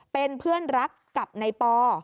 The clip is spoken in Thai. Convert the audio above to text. เป็นเพื่อนรักกับนายปอ